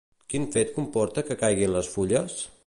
Quin fet comporta que caiguin les fulles?